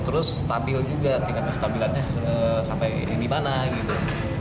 terus stabil juga tingkatnya stabilannya sampai di mana gitu